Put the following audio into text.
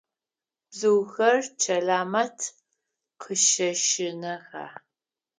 Бзыухэр Чэлэмэт къыщэщынэха?